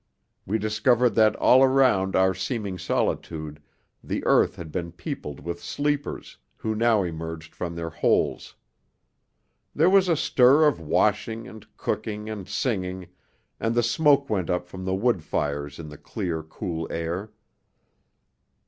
We discovered that all around our seeming solitude the earth had been peopled with sleepers, who now emerged from their holes; there was a stir of washing and cooking and singing, and the smoke went up from the wood fires in the clear, cool air.